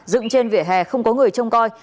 dựng trên vỉa hè không có người trông coi